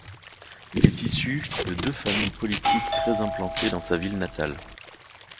Il est issu de deux familles politiques très implantées dans sa ville natale.